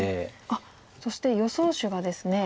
あっそして予想手がですね